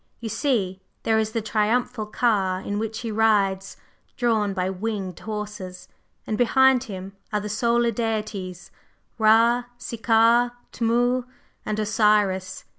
You see, there is the triumphal car in which he rides, drawn by winged horses, and behind him are the solar deities Ra, Sikar, Tmu, and Osiris.